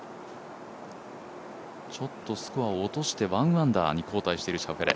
ちょっとスコアを落として１アンダーに後退しているシャウフェレ